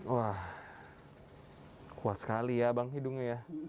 wah kuat sekali ya bang hidungnya ya